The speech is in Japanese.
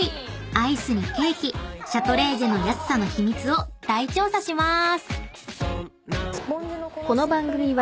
アイスにケーキシャトレーゼの安さの秘密を大調査しまーす！］